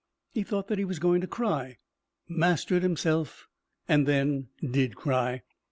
He thought that he was going to cry, mastered himself, and then did cry.